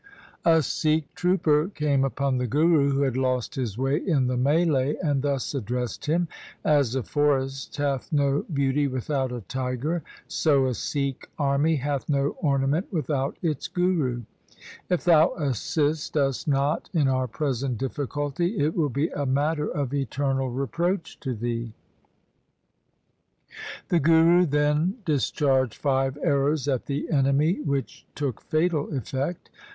A Sikh trooper came upon the Guru, who had lost his way in the meUe, and thus addressed him :' As a forest hath no beauty without a tiger, so a Sikh army hath no ornament without its Guru. If thou assist us not in our present difficulty, it will be a matter of eternal reproach to thee.' The Guru then dis charged five arrows at the enemy which took fatal effect.